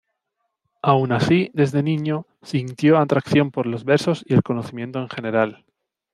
Aun así, desde niño, sintió atracción por los versos y el conocimiento en general.